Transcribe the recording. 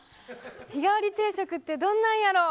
日替わり定食ってどんなんやろ。